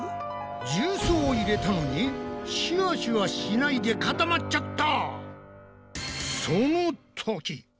重曹を入れたのにシュワシュワしないで固まっちゃった！